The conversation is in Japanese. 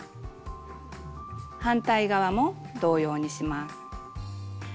反対側も同様にします。